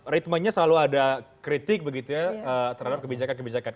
ritmenya selalu ada kritik begitu ya terhadap kebijakan kebijakan